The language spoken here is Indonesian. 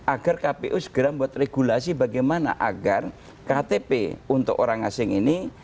agar kpu segera membuat regulasi bagaimana agar ktp untuk orang asing ini